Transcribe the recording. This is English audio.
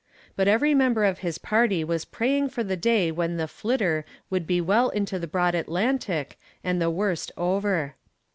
But every member of his party was praying for the day when the "Flitter" would be well into the broad Atlantic and the worst over.